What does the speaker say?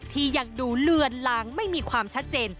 ที่ยังดูเลือนล้างไม่มีความชัดเจน